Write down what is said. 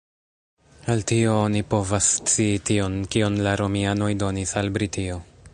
El tio oni povas scii tion, kion la Romianoj donis al Britio.